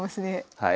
はい。